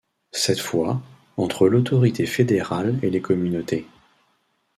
Cette fois, entre l’Autorité fédérale et les Communautés.